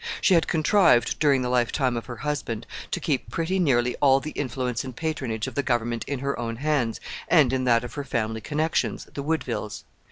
She had contrived, during the lifetime of her husband, to keep pretty nearly all the influence and patronage of the government in her own hands and in that of her family connections, the Woodvilles.